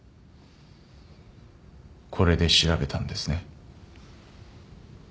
これで調べたんですね。